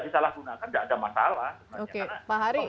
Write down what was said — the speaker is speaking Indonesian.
disalahgunakan tidak ada masalah sebenarnya karena